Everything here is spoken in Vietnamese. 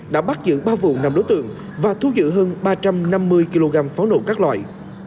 đã bắt giữ ba vụ năm đối tượng và thu giữ hơn ba trăm năm mươi kg pháo nổ các loại